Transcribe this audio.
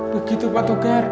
begitu pak togar